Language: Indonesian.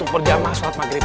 kalau enggak kamu deh